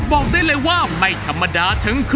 บอกได้เลยว่าไม่ธรรมดาถึง